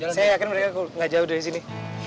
saya yakin mereka gak jauh dari sini